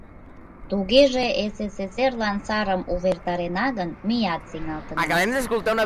«Тугеже, СССР-лан сарым увертарена гын, меат сеҥалтына.